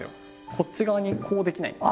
こっち側にこうできないんです。